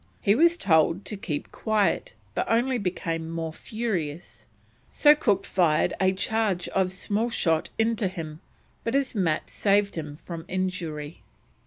He was told to keep quiet, but only became more furious, so Cook fired a charge of small shot into him, but his mats saved him from injury.